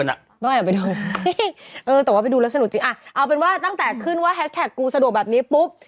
ต้องแอบไปดูแต่ว่าไปดูแล้วสนุกจริงอ่ะเอาเป็นว่าตั้งแต่ขึ้นว่าแฮชแท็กกูสะดวกแบบนี้ปุ๊บ